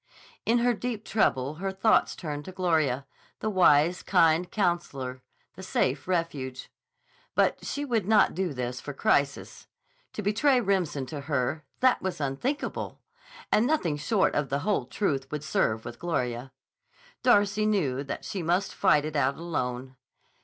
In her deep trouble her thoughts turned to Gloria, the wise, kind counsellor, the safe refuge. But she would not do for this crisis! To betray Remsen to her—that was unthinkable, and nothing short of the whole truth would serve with Gloria. Darcy knew that she must fight it out alone.